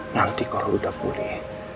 nanti kalau udah pulih